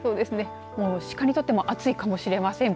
鹿にとっても暑いかもしれません。